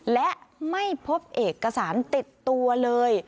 และไม่พบเอกสารติดตัวเลย